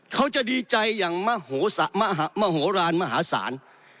เขาจะดีใจอย่างมโหลานมหาศาล